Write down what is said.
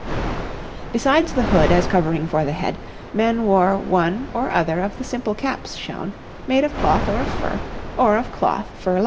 Besides the hood as covering for the head, men wore one or other of the simple caps shown, made of cloth or of fur, or of cloth fur lined.